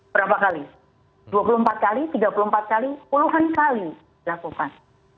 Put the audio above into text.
berapa kali dua puluh empat kali tiga puluh empat kali puluhan kali dilakukan